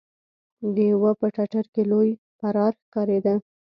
د يوه په ټټر کې لوی پرار ښکارېده.